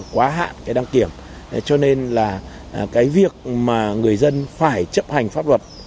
quá hạn cái đăng kiểm cho nên là cái việc mà người dân phải chấp hành pháp luật